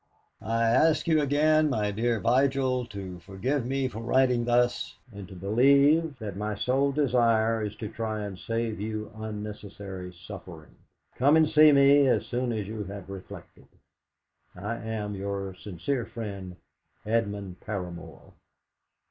"I ask you again, my dear Vigil, to forgive me for writing thus, and to believe that my sole desire is to try and save you unnecessary suffering. "Come and see me as soon as you have reflected: "I am, "Your sincere friend, "EDMUND PARAMOR."